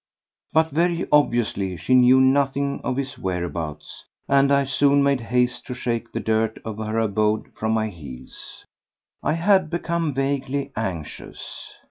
But very obviously she knew nothing of his whereabouts, and I soon made haste to shake the dirt of her abode from my heels. I had become vaguely anxious.